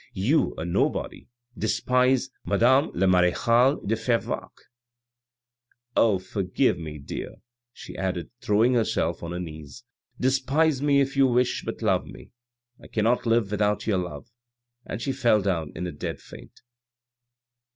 You, a nobody, despise madame la marechale de Fervaques !"" Oh, forgive me, my dear," she added, throwing herself on her knees ;" despise me if you wish, but love me. I cannot live without your love." And she fell down in a dead faint.